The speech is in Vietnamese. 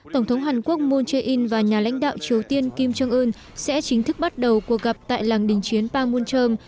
tổng thống hàn quốc moon jae in và nhà lãnh đạo triều tiên kim jong un sẽ chính thức bắt đầu cuộc gặp tại làng đình chiến pangmuncheom